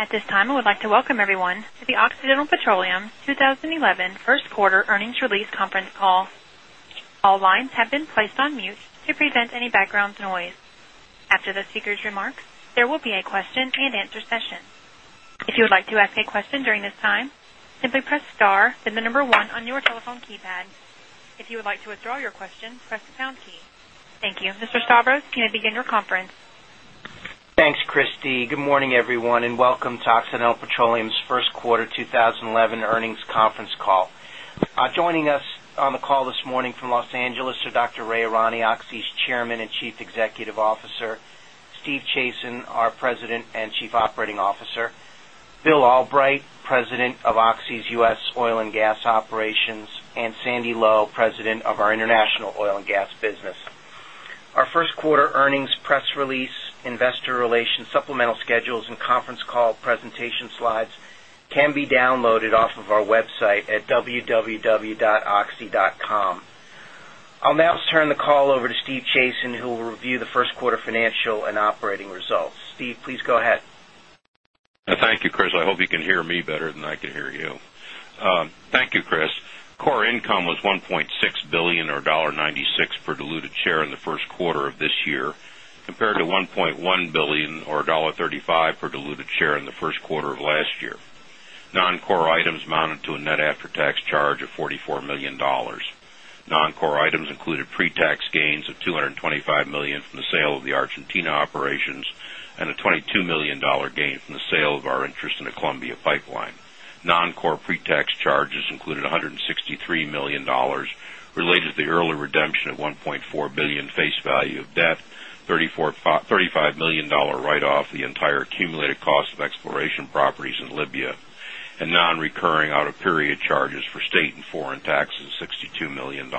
At this time, I would like to welcome everyone to the Occidental Petroleum 2011 First Quarter Earnings Release Conference Call. All lines have been placed on mute to prevent any background noise. After the speaker's remarks, there will be a question and answer session. If you would like to ask a question during this time, simply press star then the number one on your telephone keypad. If you would like to withdraw your question, press the pound key. Thank you. Mr. Stavros, you may begin your conference. Thanks, Christy. Good morning, everyone, and welcome to Occidental Petroleum's First Quarter 2011 Earnings Conference Call. Joining us on the call this morning from Los Angeles are Dr. Ray Irani, OXY's Chairman and Chief Executive Officer, Steve Chazen, our President and Chief Operating Officer, Bill Albrecht, President of OXY's U.S. Oil and Gas Operations, and Sandy Lowe, President of our International Oil and Gas Business. Our First Quarter Earnings Press Release, Investor Relations, Supplemental Schedules, and Conference Call Presentation Slides can be downloaded off of our website at www.oxy.com. I'll now turn the call over to Steve Chazen, who will review the First Quarter Financial and Operating Results. Steve, please go ahead. Thank you, Chris. I hope you can hear me better than I can hear you. Thank you, Chris. Core income was $1.6 billion or $1.96 per diluted share in the first quarter of this year, compared to $1.1 billion or $1.35 per diluted share in the first quarter of last year. Non-core items amounted to a net after-tax charge of $44 million. Non-core items included pre-tax gains of $225 million from the sale of the Argentina operations and a $22 million gain from the sale of our interest in the Columbia Pipeline. Non-core pre-tax charges included $163 million related to the early redemption of $1.4 billion face value of debt, $35 million write-off of the entire accumulated cost of exploration properties in Libya, and non-recurring out-of-period charges for state and foreign taxes of $62 million.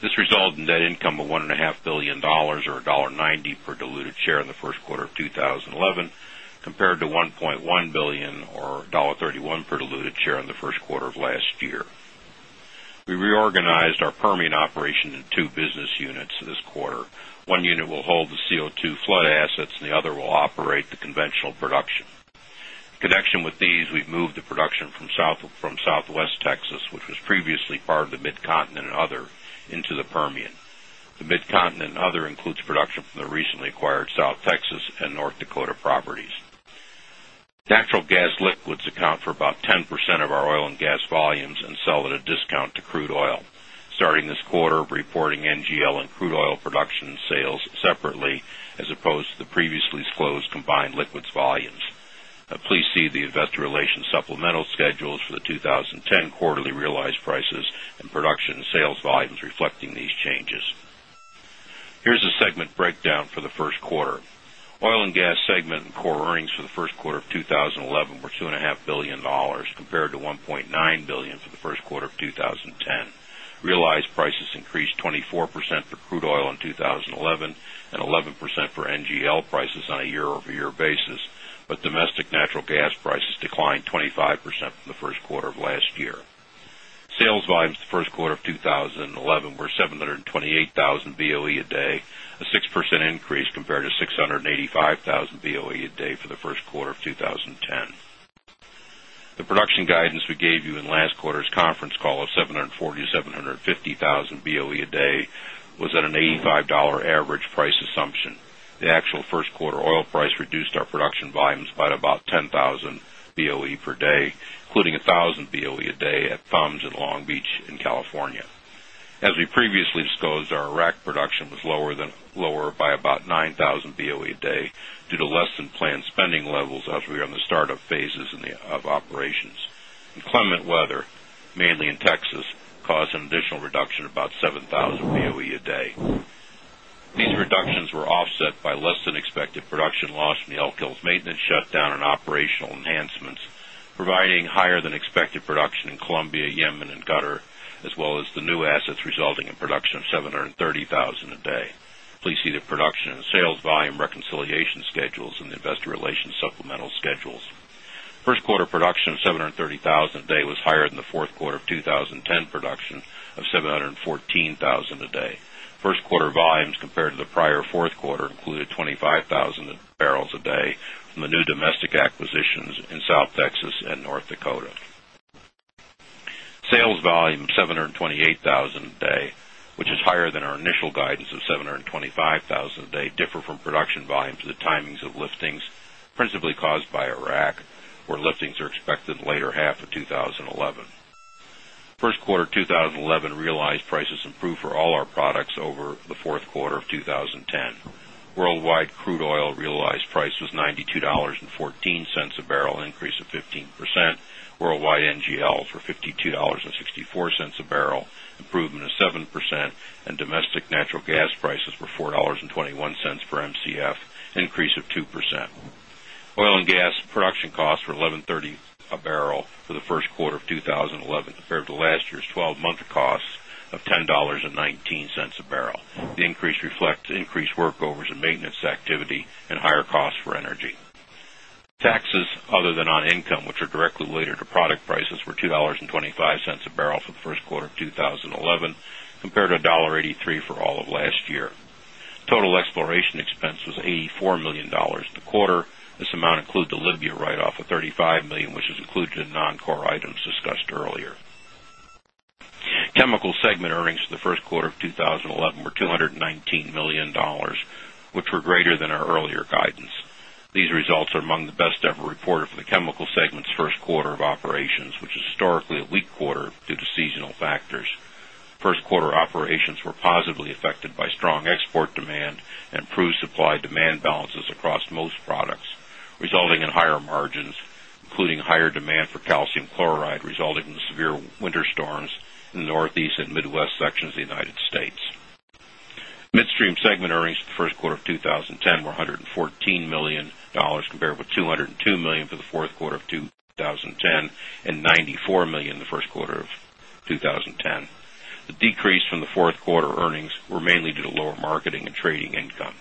This resulted in net income of $1.5 billion or $1.90 per diluted share in the first quarter of 2011, compared to $1.1 billion or $1.31 per diluted share in the first quarter of last year. We reorganized our Permian operation into two business units this quarter. One unit will hold the CO2 flood assets, and the other will operate the conventional production. In connection with these, we've moved the production from South Texas, which was previously part of the Midcontinent and Other, into the Permian. The Midcontinent and Other includes production from the recently acquired South Texas and North Dakota properties. Natural gas liquids account for about 10% of our oil and gas volumes and sell at a discount to crude oil. Starting this quarter, reporting NGL and crude oil production and sales separately, as opposed to the previously disclosed combined liquids volumes. Please see the Investor Relations Supplemental Schedules for the 2010 quarterly realized prices and production and sales volumes reflecting these changes. Here's a segment breakdown for the first quarter. Oil and gas segment and core earnings for the first quarter of 2011 were $2.5 billion, compared to $1.9 billion for the first quarter of 2010. Realized prices increased 24% for crude oil in 2011 and 11% for NGL prices on a year-over-year basis, but domestic natural gas prices declined 25% from the first quarter of last year. Sales volumes for the first quarter of 2011 were 728,000 BOE a day, a 6% increase compared to 685,000 BOE a day for the first quarter of 2010. The production guidance we gave you in last quarter's conference call of 740,000 BOE - 750,000 BOE a day was at an $85 average price assumption. The actual first quarter oil price reduced our production volumes by about 10,000 BOE per day, including 1,000 BOE a day at THUMS in Long Beach in California. As we previously disclosed, our Iraq production was lower by about 9,000 BOE a day due to less than planned spending levels as we were in the startup phases of operations. Climate weather, mainly in Texas, caused an additional reduction of about 7,000 BOE a day. These reductions were offset by less than expected production loss from the Elk Hills maintenance shutdown and operational enhancements, providing higher than expected production in Colombia, Yemen, and Qatar, as well as the new assets resulting in production of 730,000 a day. Please see the production and sales volume reconciliation schedules in the Investor Relations Supplemental Schedules. First quarter production of 730,000 a day was higher than the fourth quarter of 2010 production of 714,000 a day. First quarter volumes compared to the prior fourth quarter included 25,000 bbl a day from the new domestic acquisitions in South Texas and North Dakota. Sales volume of 728,000 a day, which is higher than our initial guidance of 725,000 a day, differ from production volumes due to the timings of liftings, principally caused by Iraq, where liftings are expected in the later half of 2011. First quarter 2011 realized prices improved for all our products over the fourth quarter of 2010. Worldwide crude oil realized price was $92.14 a barrel, increase of 15%. Worldwide NGL for $52.64 a barrel, improvement of 7%, and domestic natural gas prices were $4.21 per MCF, increase of 2%. Oil and gas production costs were $11.30 a barrel for the first quarter of 2011, compared to last year's 12-month costs of $10.19 a barrel. The increase reflects increased workovers and maintenance activity and higher costs for energy. Taxes other than on income, which are directly related to product prices, were $2.25 a barrel for the first quarter of 2011, compared to $1.83 for all of last year. Total exploration expense was $84 million the quarter. This amount includes the Libya write-off of $35 million, which is included in non-core items discussed earlier. Chemical segment earnings for the first quarter of 2011 were $219 million, which were greater than our earlier guidance. These results are among the best ever reported for the chemical segment's first quarter of operations, which is historically a weak quarter due to seasonal factors. First quarter operations were positively affected by strong export demand and improved supply-demand balances across most products, resulting in higher margins, including higher demand for calcium chloride, resulting from the severe winter storms in the Northeast and Midwest sections of the United States. Midstream segment earnings for the first quarter of 2010 were $114 million, compared with $202 million for the fourth quarter of 2010 and $94 million in the first quarter of 2010. The decrease from the fourth quarter earnings was mainly due to lower marketing and trading income.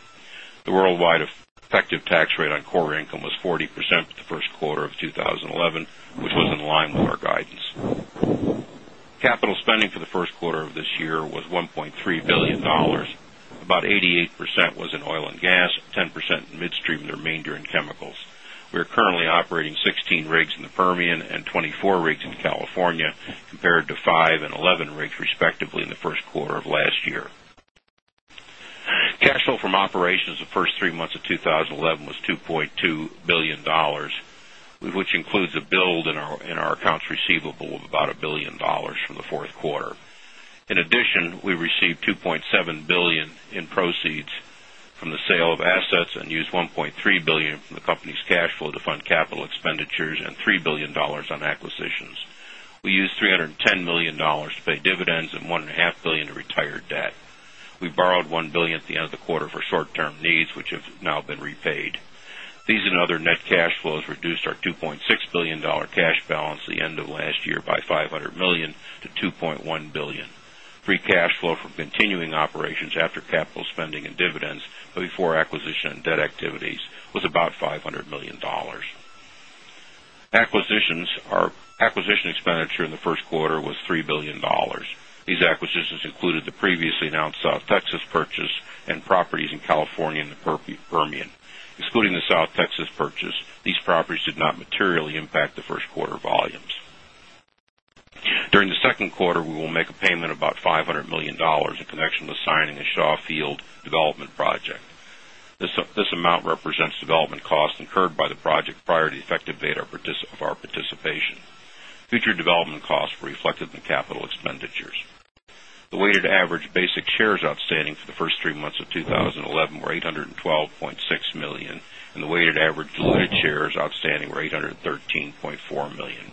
The worldwide effective tax rate on core income was 40% for the first quarter of 2011, which was in line with our guidance. Capital spending for the first quarter of this year was $1.3 billion. About 88% was in oil and gas, 10% in midstream, and the remainder in chemicals. We are currently operating 16 rigs in the Permian and 24 rigs in California, compared to 5 and 11 rigs respectively in the first quarter of last year. Cash flow from operations the first three months of 2011 was $2.2 billion, which includes a build in our accounts receivable of about $1 billion from the fourth quarter. In addition, we received $2.7 billion in proceeds from the sale of assets and used $1.3 billion from the company's cash flow to fund capital expenditures and $3 billion on acquisitions. We used $310 million to pay dividends and $1.5 billion to retire debt. We borrowed $1 billion at the end of the quarter for short-term needs, which have now been repaid. These and other net cash flows reduced our $2.6 billion cash balance at the end of last year by $500 million - $2.1 billion. Free cash flow for continuing operations after capital spending and dividends, but before acquisition and debt activities, was about $500 million. Acquisition expenditure in the first quarter was $3 billion. These acquisitions included the previously announced South Texas purchase and properties in California and the Permian. Excluding the South Texas purchase, these properties did not materially impact the first quarter volumes. During the second quarter, we will make a payment of about $500 million in connection with signing a Shah Field Development Project. This amount represents development costs incurred by the project prior to the effective date of our participation. Future development costs were reflected in capital expenditures. The weighted average basic shares outstanding for the first three months of 2011 were $812.6 million, and the weighted average diluted shares outstanding were $813.4 million.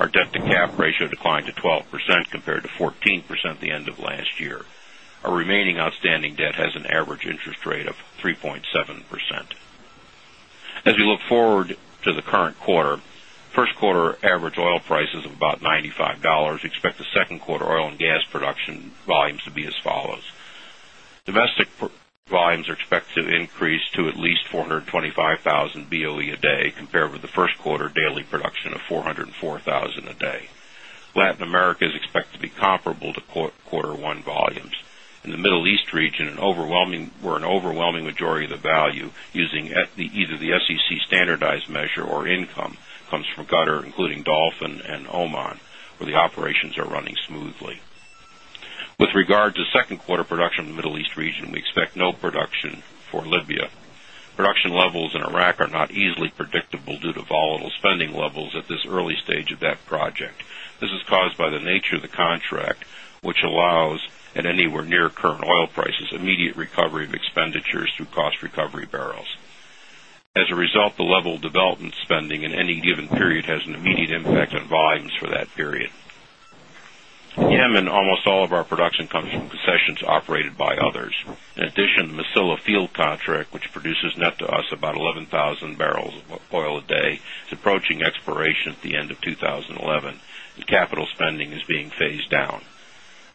Our debt-to-capitalization ratio declined to 12% compared to 14% at the end of last year. Our remaining outstanding debt has an average interest rate of 3.7%. As we look forward to the current quarter, first quarter average oil prices of about $95, expect the second quarter oil and gas production volumes to be as follows. Domestic volumes are expected to increase to at least 425,000 BOE a day, compared with the first quarter daily production of 404,000 a day. Latin America is expected to be comparable to quarter one volumes. In the Middle East region, where an overwhelming majority of the value using either the SEC standardized measure or income comes from Qatar, including Dolphin and Oman, where the operations are running smoothly. With regard to the second quarter production in the Middle East region, we expect no production for Libya. Production levels in Iraq are not easily predictable due to volatile spending levels at this early stage of that project. This is caused by the nature of the contract, which allows, at anywhere near current oil prices, immediate recovery of expenditures through cost recovery barrels. As a result, the level of development spending in any given period has an immediate impact on volumes for that period. In Yemen, almost all of our production concessions are operated by others. In addition, the Masila Field contract, which produces net to us about 11,000 bbl of oil a day, is approaching expiration at the end of 2011, and capital spending is being phased down.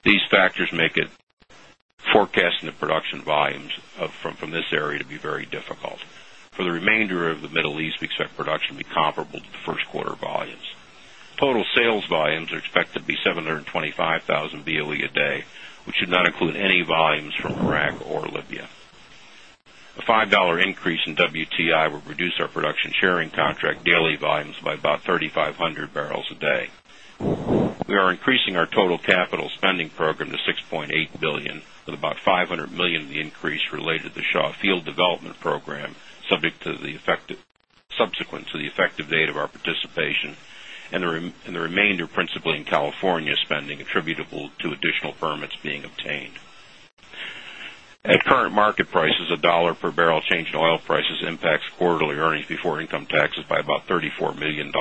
These factors make forecasting the production volumes from this area to be very difficult. For the remainder of the Middle East, we expect production to be comparable to the first quarter volumes. Total sales volumes are expected to be 725,000 BOE a day, which should not include any volumes from Iraq or Libya. A $5 increase in WTI would reduce our production sharing contract daily volumes by about 3,500 bbl a day. We are increasing our total capital spending program to $6.8 billion, with about $500 million of the increase related to the Shah Field development program subsequent to the effective date of our participation, and the remainder principally in California spending attributable to additional permits being obtained. At current market prices, a dollar per barrel change in oil prices impacts quarterly earnings before income taxes by about $34 million.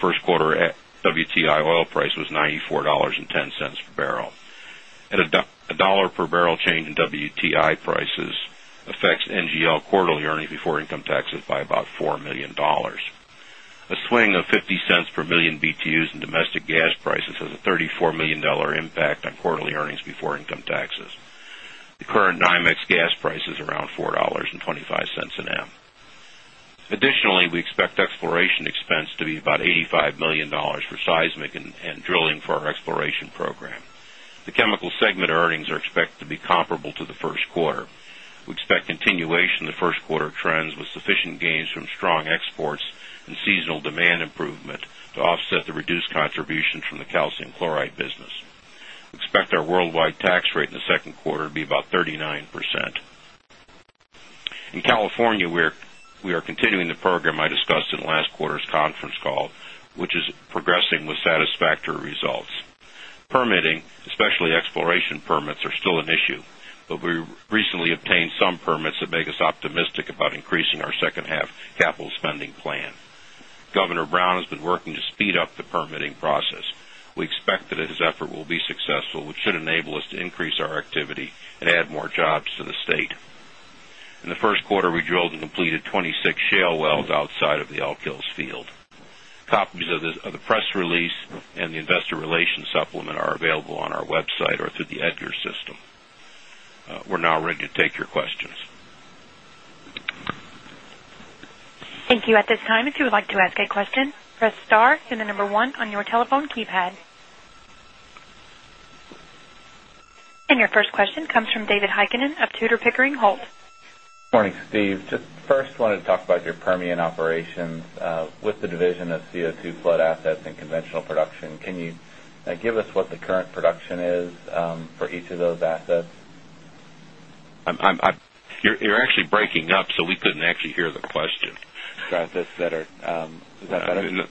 First quarter WTI oil price was $94.10 per barrel. At a dollar per barrel change in WTI prices, it affects NGL quarterly earnings before income taxes by about $4 million. A swing of $0.50 per million BTUs in domestic gas prices has a $34 million impact on quarterly earnings before income taxes. The current NYMEX gas price is around $4.25 an MMBtu. Additionally, we expect exploration expense to be about $85 million for seismic and drilling for our exploration program. The chemical segment earnings are expected to be comparable to the first quarter. We expect continuation of the first quarter trends with sufficient gains from strong exports and seasonal demand improvement to offset the reduced contributions from the calcium chloride business. We expect our worldwide tax rate in the second quarter to be about 39%. In California, we are continuing the program I discussed in last quarter's conference call, which is progressing with satisfactory results. Permitting, especially exploration permits, are still an issue, but we recently obtained some permits that make us optimistic about increasing our second half capital spending plan. Governor Brown has been working to speed up the permitting process. We expect that his effort will be successful, which should enable us to increase our activity and add more jobs to the state. In the first quarter, we drilled and completed 26 shale wells outside of the Elk Hills Field. Copies of the press release and the Investor Relations Supplement are available on our website or through the EDGAR system. We're now ready to take your questions. Thank you. At this time, if you would like to ask a question, press star then the number one on your telephone keypad. Your first question comes from David Heikkinen of Tudor, Pickering, Holt. Morning, Steve. First, I wanted to talk about your Permian operations with the division of CO2 flood assets and conventional production. Can you give us what the current production is for each of those assets? You're actually breaking up, so we couldn't hear the question. Is that better?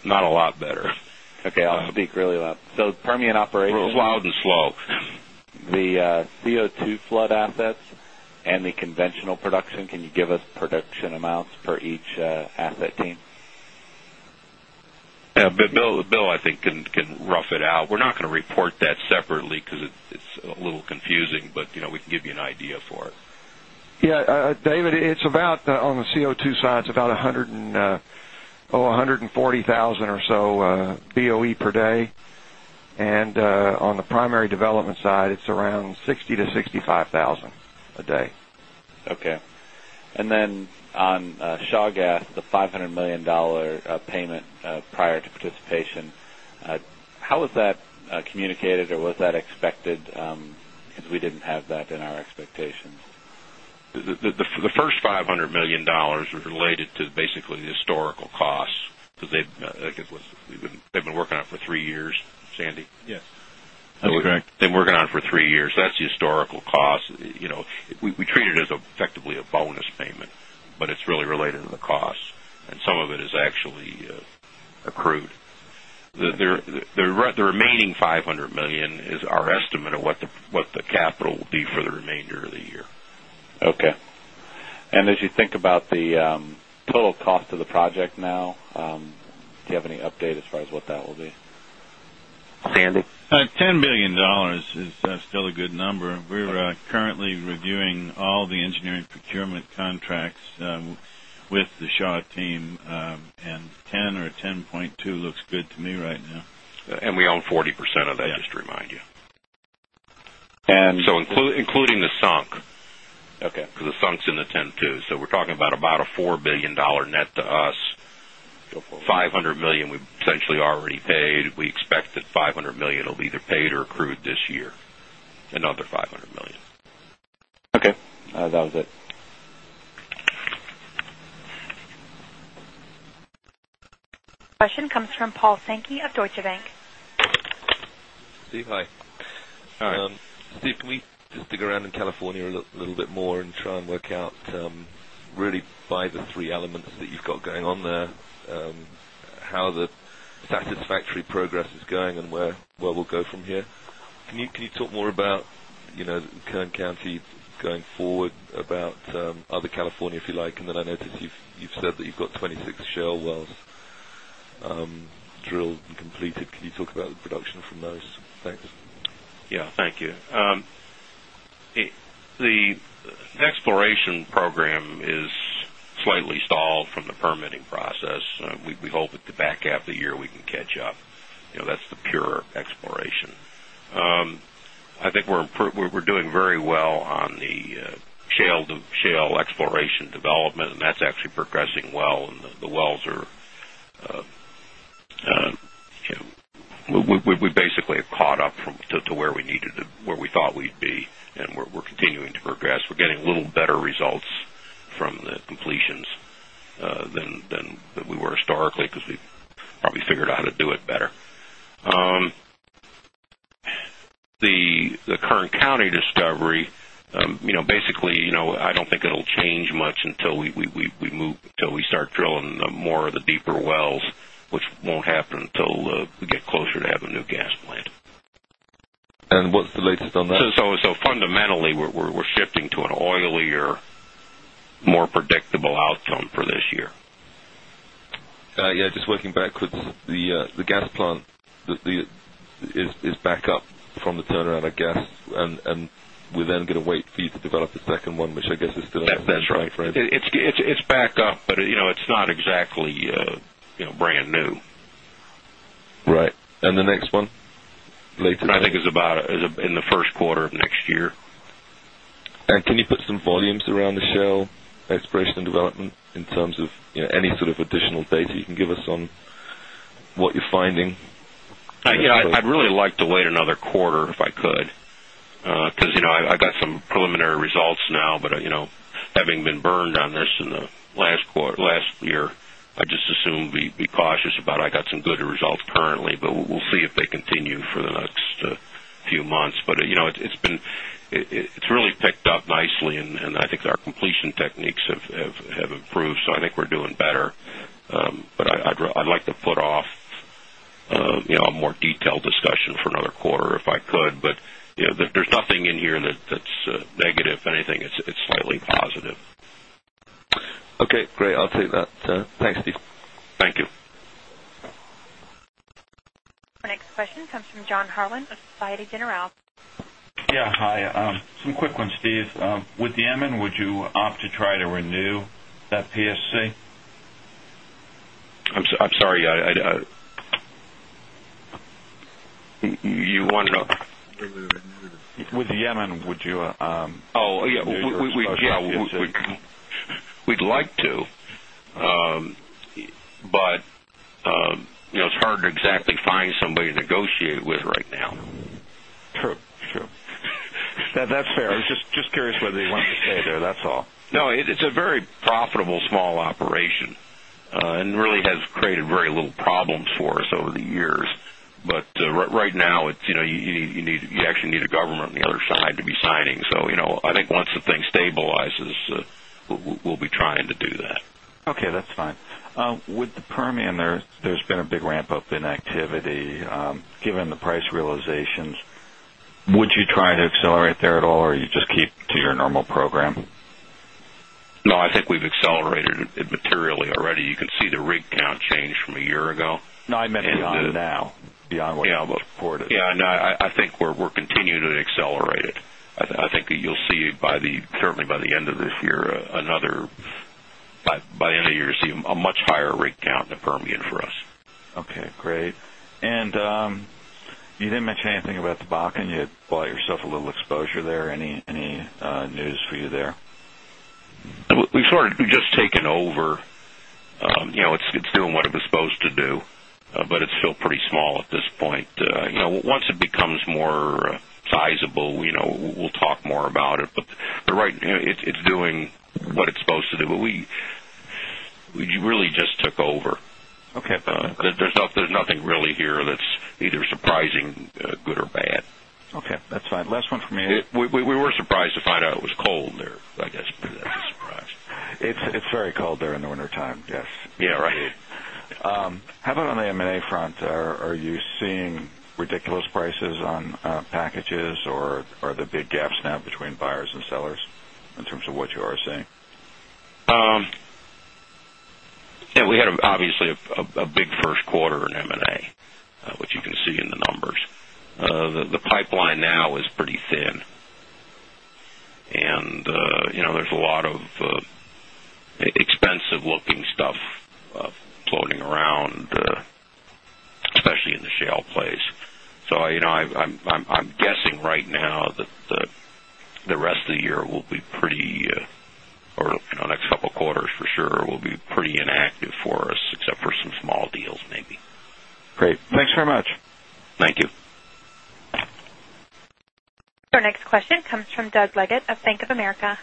Not a lot better. Okay, I'll speak really loud. Permian operations. Loud and slow. The CO2 flood assets and the conventional production, can you give us production amounts for each asset team? Bill, I think, can rough it out. We're not going to report that separately because it's a little confusing, but you know we can give you an idea for it. Yeah. David, it's about on the CO2 side, it's about 140,000 or so BOE per day. On the primary development side, it's around 60,000 to 65,000 a day. Okay. On Shah Gas, the $500 million payment prior to participation, how was that communicated or was that expected? We didn't have that in our expectations. The first $500 million was related to basically the historical costs because they've been working on it for three years. Sandy? Yes, that was correct. They've been working on it for three years. That's the historical cost. You know we treat it as effectively a bonus payment, but it's really related to the costs, and some of it is actually accrued. The remaining $500 million is our estimate of what the capital will be for the remainder of the year. Okay. As you think about the total cost of the project now, do you have any update as far as what that will be? Sandy? $10 million is still a good number. We're currently reviewing all the engineering procurement contracts with the Shah Team, and $10 million or $10.2 million looks good to me right now. We own 40% of that, just to remind you. And. Including the sunk. Okay. Because the sunk's in the $10.2 billion. We're talking about about a $4 billion net to us. Go forward, $500 million we've essentially already paid. We expect that $500 million will be either paid or accrued this year, another $500 million. Okay, that was it. Question comes from Paul Sankey of Deutsche Bank. Steve, hi. Hi. Steve, can we just dig around in California a little bit more and try and work out really five or three elements that you've got going on there, how the satisfactory progress is going and where we'll go from here? Can you talk more about Kern County going forward, about other California, if you like? I noticed you've said that you've got 26 shale wells drilled and completed. Can you talk about the production from those? Thanks. Yeah. Thank you. The exploration program is slightly stalled from the permitting process. We hope at the back half of the year we can catch up. You know that's the pure exploration. I think we're doing very well on the shale exploration and development, and that's actually progressing well. The wells are, yeah, we basically have caught up to where we needed to be, and we're continuing to progress. We're getting a little better results from the completions than we were historically because we've probably figured out how to do it better. The Kern County discovery, you know, basically, I don't think it'll change much until we move, until we start drilling more of the deeper wells, which won't happen until we get closer to having a new gas plant. What's the latest on that? Fundamentally, we're shifting to an oilier, more predictable outcome for this year. Yeah. Just working backwards, the gas plant is back up from the turnaround, I guess, and we're then going to wait for you to develop a second one, which I guess is still in that timeframe. It's back up, but you know it's not exactly, you know, brand new. Right. The next one? Latest? I think it's about in the first quarter of next year. Can you put some volumes around the shale exploration and development in terms of any sort of additional data you can give us on what you're finding? I'd really like to wait another quarter if I could because I got some preliminary results now. Having been burned on this in the last year, I just assume be cautious about it. I got some good results currently, but we'll see if they continue for the next few months. It's really picked up nicely, and I think our completion techniques have improved. I think we're doing better. I'd like to put off a more detailed discussion for another quarter if I could. There's nothing in here that's negative, anything. It's slightly positive. Okay. Great. I'll take that. Thanks, Steve. Thank you. Our next question comes from John Herrlin of Société Générale. Yeah. Hi. Some quick ones, Steve. With Yemen, would you opt to try to renew that PSC? I'm sorry, you wanted to. With Yemen, would you? Oh, yeah. We'd like to, but you know it's hard to exactly find somebody to negotiate with right now. True. True. That's fair. I was just curious whether you want to add there. That's all. No, it's a very profitable small operation and really has created very little problems for us over the years. Right now, you need a government on the other side to be signing. I think once the thing stabilizes, we'll be trying to do that. Okay. That's fine. With the Permian, there's been a big ramp-up in activity. Given the price realizations, would you try to accelerate there at all, or you just keep to your normal program? No, I think we've accelerated it materially already. You can see the rig count change from a year ago. No, I meant beyond now, beyond what you've reported. Yeah. No, I think we're continuing to accelerate it. I think that you'll see, certainly by the end of this year, by the end of the year, you'll see a much higher rig count in the Permian for us. Okay. Great. You didn't mention anything about the Bakken. You bought yourself a little exposure there. Any news for you there? We've just taken over. It's doing what it was supposed to do, but it's still pretty small at this point. Once it becomes more sizable, we'll talk more about it. Right now, it's doing what it's supposed to do. We really just took over. Okay, that's fine. There's nothing really here that's either surprising, good or bad. Okay, that's fine. Last one from you. We were surprised to find out it was cold there, I guess. It's very cold there in the wintertime, yes. Yeah, right here. How about on the M&A front? Are you seeing ridiculous prices on packages, or are there big gaps now between buyers and sellers in terms of what you are seeing? We had obviously a big first quarter in M&A, which you can see in the numbers. The pipeline now is pretty thin, and there's a lot of expensive-looking stuff floating around, especially in the shale place. I'm guessing right now that the rest of the year will be pretty, or the next couple of quarters for sure, will be pretty inactive for us except for some small deals maybe. Great, thanks very much. Thank you. Our next question comes from Doug Leggate of Bank of America.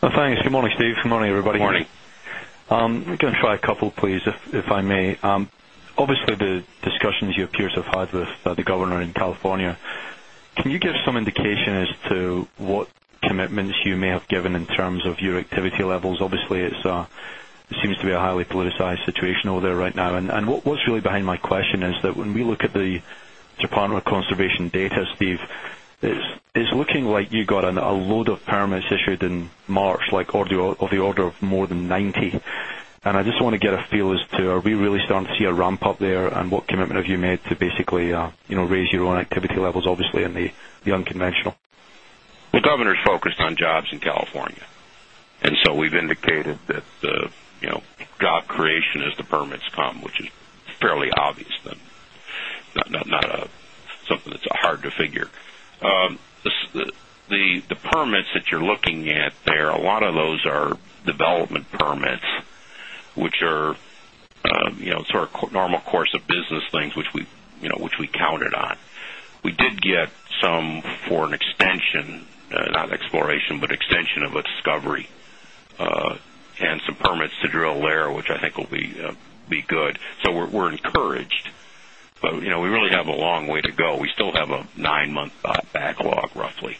Thanks. Good morning, Steve. Good morning, everybody. Morning. We can try a couple, please, if I may. Obviously, the discussions you appear to have had with the Governor in California, can you give some indication as to what commitments you may have given in terms of your activity levels? It seems to be a highly politicized situation over there right now. What was really behind my question is that when we look at the Department of Conservation data, Steve, it is looking like you got a load of permits issued in March, like on the order of more than 90. I just want to get a feel as to are we really starting to see a ramp-up there, and what commitment have you made to basically raise your own activity levels, obviously, in the unconventional? The Governor's focused on jobs in California. We've indicated that the job creation as the permits come, which is fairly obvious, is not something that's hard to figure. The permits that you're looking at there, a lot of those are development permits, which are sort of normal course of business things, which we counted on. We did get some for an extension, not an exploration, but extension of a discovery and some permits to drill there, which I think will be good. We're encouraged. You know we really have a long way to go. We still have a nine-month backlog, roughly.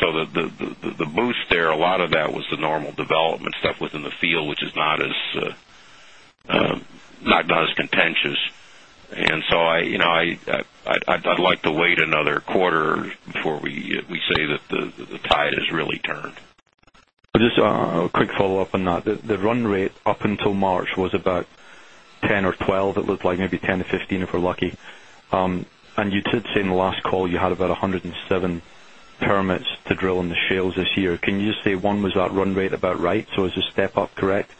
The boost there, a lot of that was the normal development stuff within the field, which is not as contentious. I'd like to wait another quarter before we say that the tide has really turned. Just a quick follow-up on that. The run rate up until March was about 10 or 12, it looked like, maybe 10 - 15 if we're lucky. You did say in the last call you had about 107 permits to drill in the shales this year. Can you just say, one, was that run rate about right? Is this step-up correct?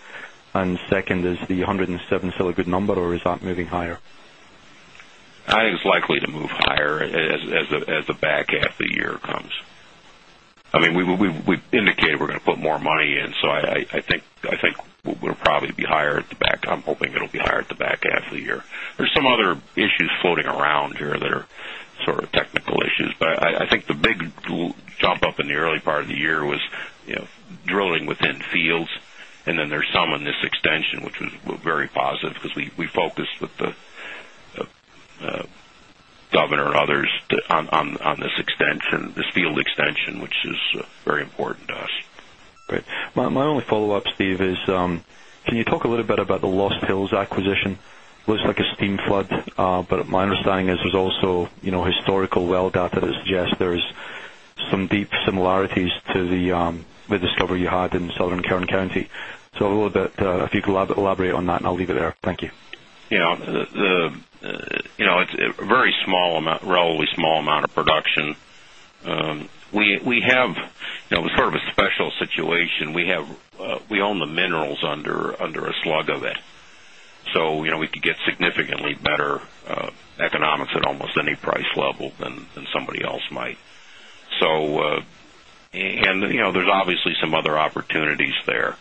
Second, is the 107 still a good number, or is that moving higher? It's likely to move higher as the back half of the year comes. We've indicated we're going to put more money in. I think we'll probably be higher at the back. I'm hoping it'll be higher at the back half of the year. There are some other issues floating around here that are sort of technical issues. I think the big jump-up in the early part of the year was drilling within fields. There is some in this extension, which was very positive because we focused with the Governor and others on this extension, this field extension, which is very important to us. Great. My only follow-up, Steve, is can you talk a little bit about the Lost Hills acquisition? It looks like a steam flood, but my understanding is there's also historical well data that suggests there's some deep similarities to the discovery you had in Southern Kern County. If you could elaborate on that, and I'll leave it there. Thank you. Yeah, it's a very small amount, relatively small amount of production. It was sort of a special situation. We own the minerals under a slug of it, so we could get significantly better economics at almost any price level than somebody else might. There are obviously some other opportunities there.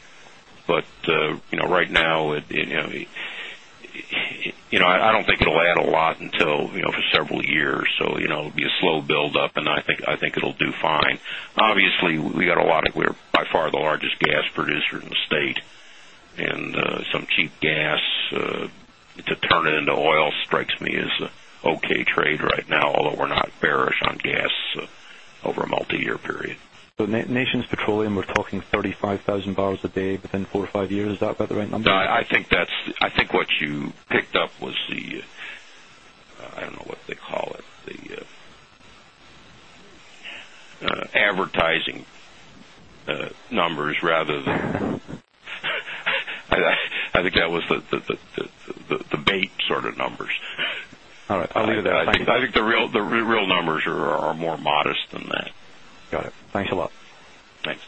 Right now, I don't think it'll add a lot for several years. It'll be a slow build-up, and I think it'll do fine. Obviously, we got a lot of, we're by far the largest gas producer in the state, and some cheap gas to turn it into oil strikes me as an okay trade right now, although we're not bearish on gas over a multi-year period. Nations Petroleum, we're talking $35,000 a day within four or five years. Is that about the right number? I think what you picked up was the, I don't know what they call it, the advertising numbers rather than, I think that was the bait sort of numbers. All right, I'll leave it at that. I think the real numbers are more modest than that. Got it. Thanks a lot. Thanks.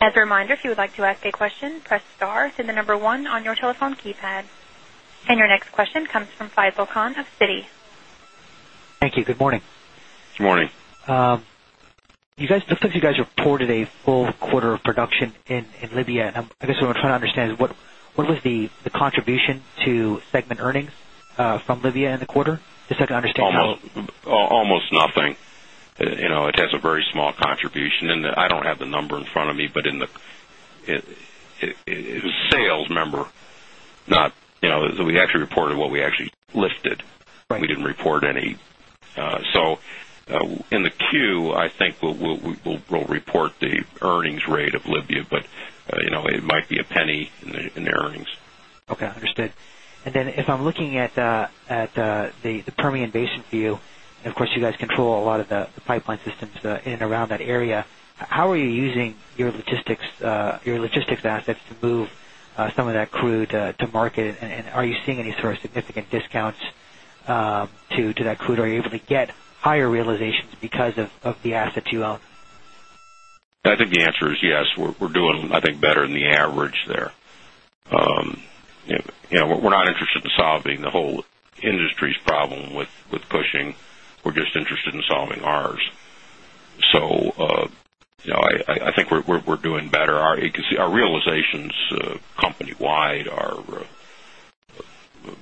As a reminder, if you would like to ask a question, press star then the number one on your telephone keypad. Your next question comes from Faiz Ahmed Khan of Citi. Thank you. Good morning. Good morning. It looks like you guys reported a full quarter of production in Libya. I guess what I'm trying to understand is what was the contribution to segment earnings from Libya in the quarter? Just so I can understand how. Almost nothing. You know, it has a very small contribution. I don't have the number in front of me, but in the sales number, not, you know, we actually reported what we actually lifted. We didn't report any. In the queue, I think we'll report the earnings rate of Libya, but you know, it might be a penny in the earnings. Okay. Understood. If I'm looking at the Permian Basin view, you guys control a lot of the pipeline systems in and around that area. How are you using your logistics assets to move some of that crude to market? Are you seeing any sort of significant discounts to that crude? Are you able to get higher realizations because of the assets you own? I think the answer is yes. We're doing, I think, better than the average there. We're not interested in solving the whole industry's problem with pushing. We're just interested in solving ours. I think we're doing better. Our realizations company-wide are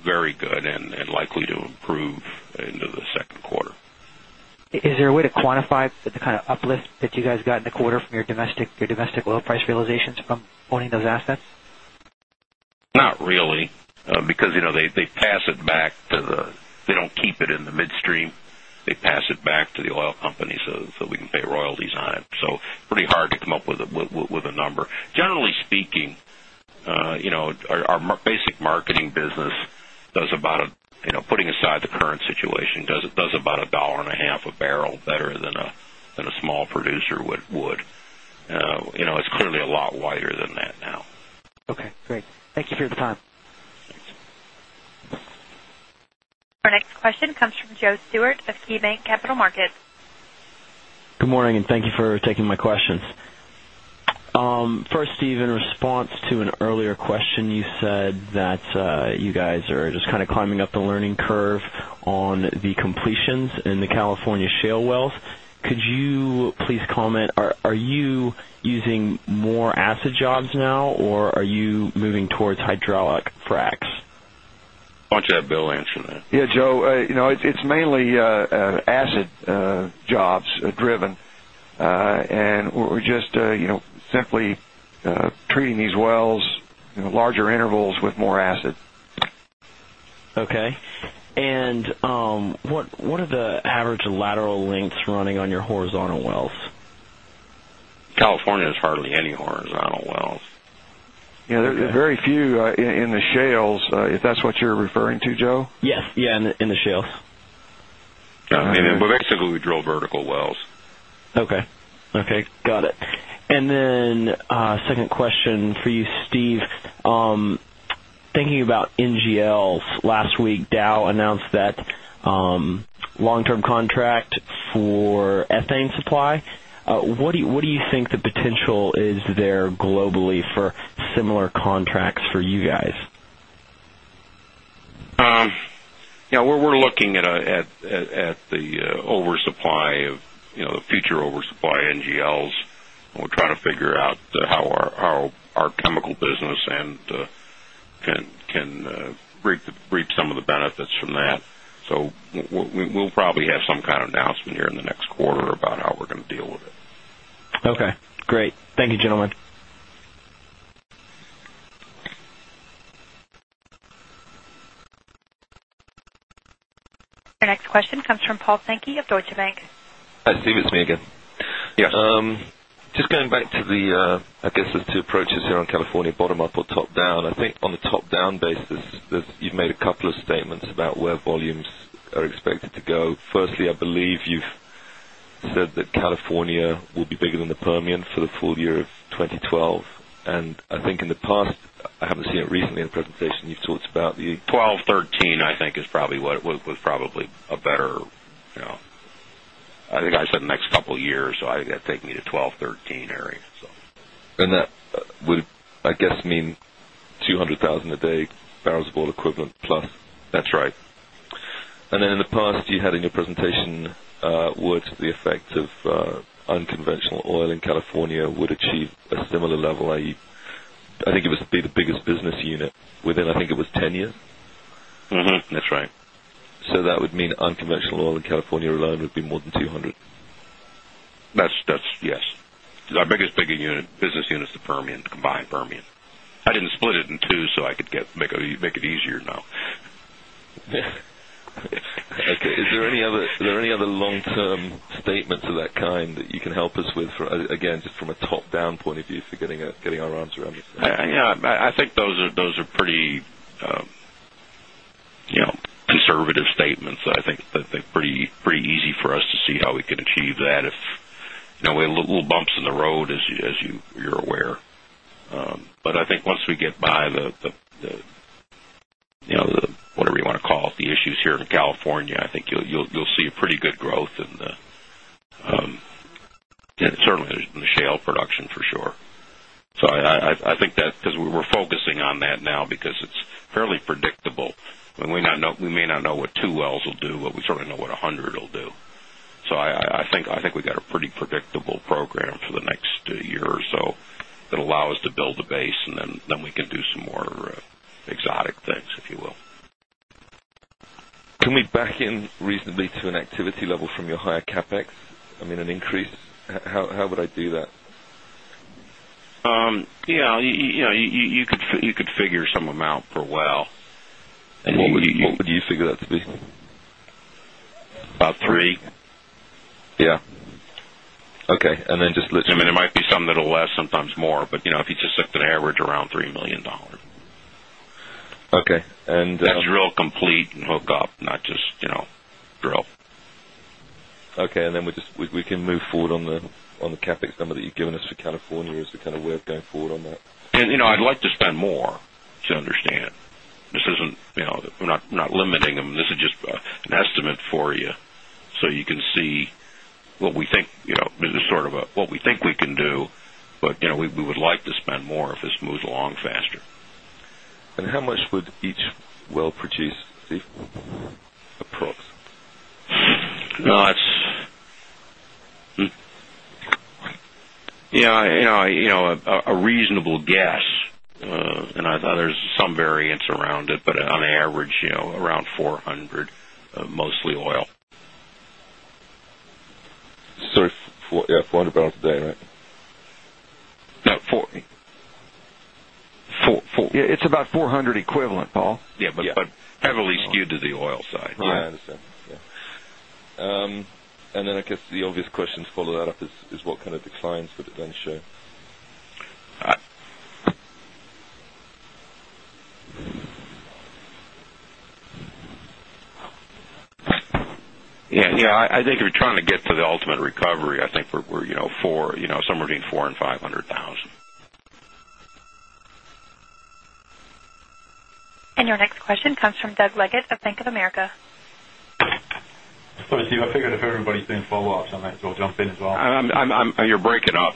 very good and likely to improve into the second quarter. Is there a way to quantify the kind of uplift that you guys got in the quarter from your domestic oil price realizations from owning those assets? Not really, because they pass it back to the, they don't keep it in the midstream. They pass it back to the oil companies so we can pay royalties on it. Pretty hard to come up with a number. Generally speaking, our basic marketing business does about $1.50 a barrel better than a small producer would. It's clearly a lot wider than that now. Okay. Great. Thank you for your time. Our next question comes from Joseph Stewart of KeyBanc Capital Markets. Good morning, and thank you for taking my questions. First, Steve, in response to an earlier question, you said that you guys are just kind of climbing up the learning curve on the completions in the California shale wells. Could you please comment, are you using more acid jobs now, or are you moving towards hydraulic fracks? Why don't you have Bill answer that? Yeah, Joe. It's mainly acid jobs driven. We're just simply treating these wells in larger intervals with more acid. What are the average lateral lengths running on your horizontal wells? California has hardly any horizontal wells. Yeah, there's very few in the shales, if that's what you're referring to, Joe. Yes, in the shales. Yeah, I mean, we basically drill vertical wells. Okay. Got it. A second question for you, Steve. Thinking about NGLs, last week, Dow announced that long-term contract for ethane supply. What do you think the potential is there globally for similar contracts for you guys? We're looking at the oversupply of, you know, the future oversupply NGLs. We're trying to figure out how our chemical business can reap some of the benefits from that. We'll probably have some kind of announcement here in the next quarter about how we're going to deal with it. Okay. Great. Thank you, gentlemen. Our next question comes from Paul Sankey of Deutsche Bank. Hi, Steve. It's me again. Just going back to the, I guess, the two approaches here on California, bottom-up or top-down. I think on the top-down basis, you've made a couple of statements about where volumes are expected to go. Firstly, I believe you've said that California will be bigger than the Permian for the full year of 2012. I think in the past, I haven't seen it recently in a presentation, you've talked about the. 12, 13, I think, is probably what was a better, you know, I think I said the next couple of years. I think that'd take me to 12, 13 area. That would, I guess, mean 200,000 a day barrels of oil equivalent plus. That's right. In the past, you had in your presentation what the effect of unconventional oil in California would achieve at a similar level, i.e., I think it would be the biggest business unit within, I think it was 10 years. That's right. That would mean unconventional oil in California alone would be more than 200. Yes. Our biggest business unit is the Permian, combined Permian. I didn't split it in two so I could make it easier now. Is there any other, are there any other long-term statements of that kind that you can help us with, again, just from a top-down point of view for getting our arms around this? Yeah. I think those are pretty, you know, conservative statements. I think they're pretty easy for us to see how we can achieve that if there were little bumps in the road, as you're aware. I think once we get by the, you know, whatever you want to call it, the issues here in California, I think you'll see pretty good growth in the, certainly in the shale production for sure. I think that because we're focusing on that now because it's fairly predictable. We may not know what two wells will do, but we certainly know what 100 will do. I think we got a pretty predictable program for the next year or so that allows us to build a base, and then we can do some more exotic things, if you will. Can we back in reasonably to an activity level from your higher CapEx? I mean, an increase? How would I do that? You could figure some amount per well. What would you figure that to be? About three. Okay. Just. I mean, there might be some that are less, sometimes more, but you know if you just look at an average around $3 million. Okay. And. That drill, complete, and hook up, not just, you know, drill. Okay. We can move forward on the CapEx number that you've given us for California as the way of going forward on that. I'd like to spend more to understand. This isn't, you know, we're not limiting them. This is just an estimate for you so you can see what we think. This is sort of what we think we can do, but we would like to spend more if this moves along faster. How much would each well produce, Steve, approximately? Yeah, you know, a reasonable guess, and I thought there's some variance around it, but on average, you know, around 400, mostly oil. Sorry. Yeah, 400 bbl a day, right? About four. Yeah, it's about 400 equivalent, Paul. Yeah, it's heavily skewed to the oil side. I understand this. Yeah, I guess the obvious question to follow that up is what kind of declines would it then show? Yeah, I think if we're trying to get to the ultimate recovery, I think we're somewhere between 400,000 and 500,000. Your next question comes from Doug Leggate of Bank of America. Let me see. I figured if everybody's doing follow-ups on that, we'll jump in as well. You're breaking up.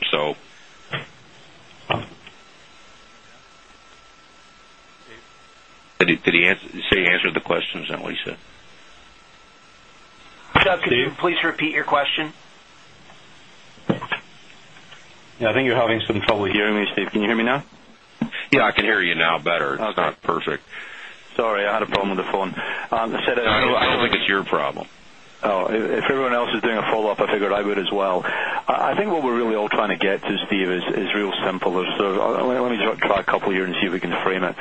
Did he answer? You say you answered the questions, and we said. Doug, could you please repeat your question? I think you're having some trouble hearing me, Steve. Can you hear me now? Yeah, I can hear you now better. It's not perfect. Sorry, I had a problem with the phone. I said. I don't think it's your problem. Oh, if everyone else is doing a follow-up, I figured I would as well. I think what we're really all trying to get to, Steve, is real simple. Let me just try a couple here and see if we can frame it.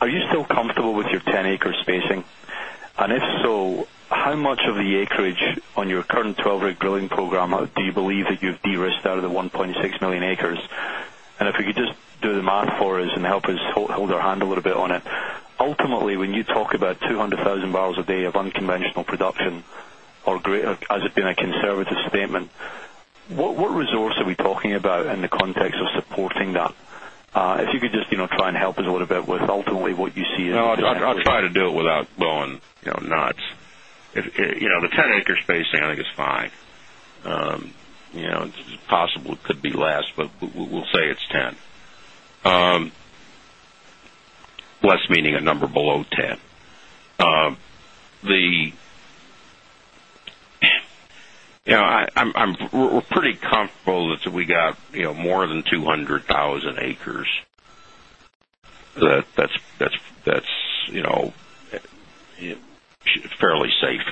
Are you still comfortable with your 10-acre spacing? If so, how much of the acreage on your current 12-rig drilling program do you believe that you've de-risked out of the 1.6 million acres? If you could just do the math for us and help us hold our hand a little bit on it. Ultimately, when you talk about 200,000 bbl a day of unconventional production, or as it being a conservative statement, what resource are we talking about in the context of supporting that? If you could just, you know, try and help us a little bit with ultimately what you see as. No, I'll try to do it without going nuts. The 10-acre spacing, I think, is fine. It's possible it could be less, but we'll say it's 10. Less meaning a number below 10. You know, we're pretty comfortable that we got more than 200,000 acres. That's fairly safe.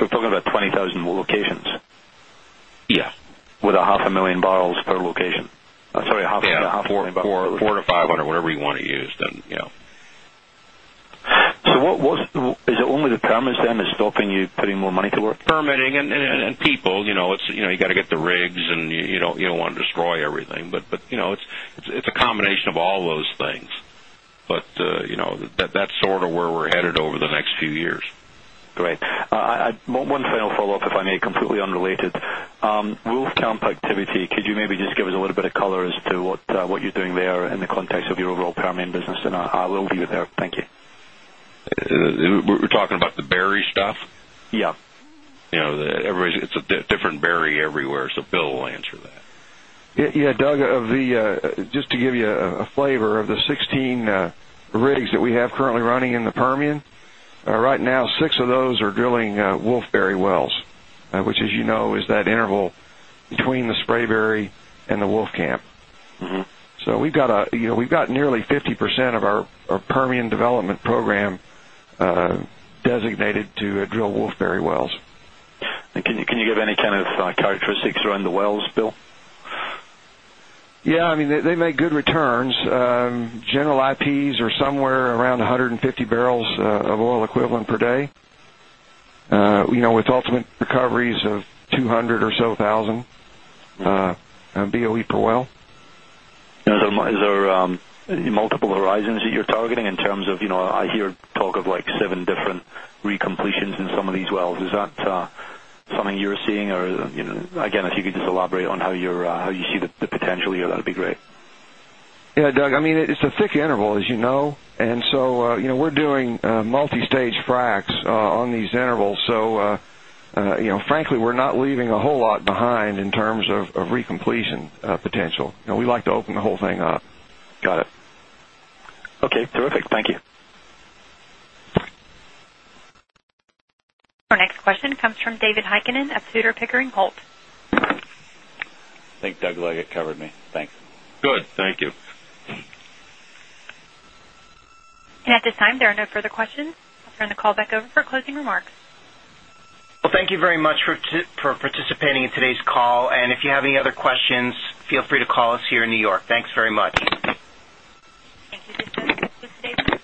We're talking about 20,000 locations? Yeah. With a half a million barrels per location? Sorry, a half a million barrels per location. Yeah, $400 - $500, whatever you want to use then. Is it only the permits then that's stopping you putting more money to work? Permitting and people, you know, you got to get the rigs and you don't want to destroy everything. It's a combination of all those things. That's sort of where we're headed over the next few years. Great. One final follow-up, if I may, completely unrelated. Will's camp activity, could you maybe just give us a little bit of color as to what you're doing there in the context of your overall Permian business? I will leave it there. Thank you. We're talking about the Berry stuff? Yeah. It's a different berry everywhere, so Bill will answer that. Doug, just to give you a flavor, of the 16 rigs that we have currently running in the Permian right now, six of those are drilling Wolfberry wells, which, as you know, is that interval between the Spraberry and the Wolfcamp. We've got nearly 50% of our Permian development program designated to drill Wolfberry wells. Can you give any kind of characteristics around the wells, Bill? Yeah. I mean, they make good returns. General IPs are somewhere around 150 bbl of oil equivalent per day, you know, with ultimate recoveries of 200 or so thousand BOE per well. Is there multiple horizons that you're targeting in terms of, you know, I hear talk of like seven different re-completions in some of these wells? Is that something you're seeing? If you could just elaborate on how you see the potential here, that'd be great. Yeah, Doug. I mean, it's a thick interval, as you know. We're doing multi-stage fracks on these intervals. Frankly, we're not leaving a whole lot behind in terms of re-completion potential. We like to open the whole thing up. Got it. Okay. Terrific. Thank you. Our next question comes from David Heikkinen of Tudor Pickering Holt. I think Douglas George Blyth Leggate covered me. Thanks. Good. Thank you. At this time, there are no further questions. I'll turn the call back over for closing remarks. Thank you very much for participating in today's call. If you have any other questions, feel free to call us here in New York. Thanks very much. Thank you. This is the end of today's call.